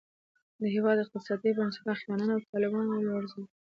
د هېواد اقتصادي بنسټونه اخوانیانو او طالبانو ولړزول.